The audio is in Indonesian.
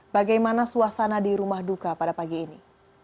bagaimana suasana di rumah duka pada pagi ini